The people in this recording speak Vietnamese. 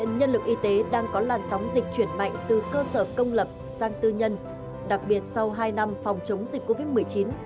nhân lực y tế đang có làn sóng dịch chuyển mạnh từ cơ sở công lập sang tư nhân đặc biệt sau hai năm phòng chống dịch covid một mươi chín